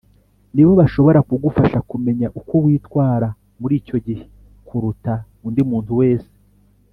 ni bo bashobora kugufasha kumenya uko witwara muri icyo gihe kuruta undi muntu wese